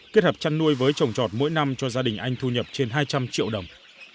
kết hợp chăn nuôi với trồng trọt mỗi năm cho gia đình anh thu nhập trên hai trăm linh triệu đồng